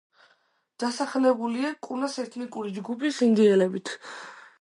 დასახლებულია კუნას ეთნიკური ჯგუფის ინდიელებით.